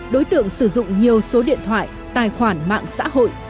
đối tượng sử dụng nhiều số điện thoại tài khoản mạng xã hội